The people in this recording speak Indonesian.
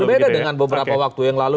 berbeda dengan beberapa waktu yang lalu